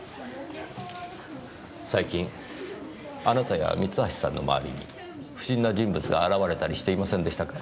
最近あなたや三橋さんの周りに不審な人物が現れたりしていませんでしたか？